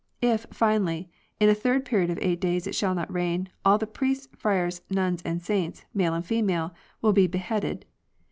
If, finally, in a third period of eight days it shall not rain, all the priests, friars, nuns, and saints, male and female, will be beheaded.